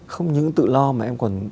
không những tự lo mà em còn